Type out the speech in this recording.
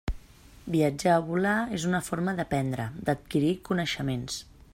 Viatjar o volar és una forma d'aprendre, d'adquirir coneixements.